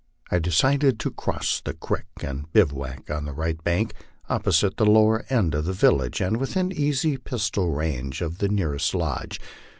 I decided to cross the creek and bivouac on the right bank, opposite the lower end of the village, and within easy pistol range of the nearest lodge.